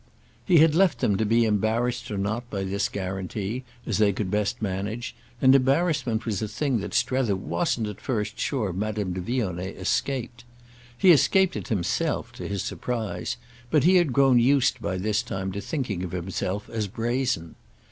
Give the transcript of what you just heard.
He had left them to be embarrassed or not by this guarantee, as they could best manage, and embarrassment was a thing that Strether wasn't at first sure Madame de Vionnet escaped. He escaped it himself, to his surprise; but he had grown used by this time to thinking of himself as brazen.